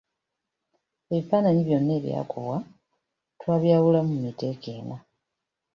Ebifaananyi byonna ebyakubwa twabyawulamu mu miteeko ena.